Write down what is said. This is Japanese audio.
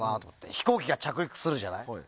飛行機が着陸するじゃない。